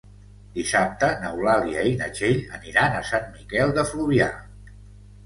Dissabte n'Eulàlia i na Txell aniran a Sant Miquel de Fluvià.